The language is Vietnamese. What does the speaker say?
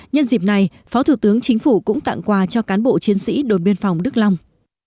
nhân dịp này phó thủ tướng chính phủ cũng tặng quà cho cán bộ chiến sĩ đồn biên phòng đức long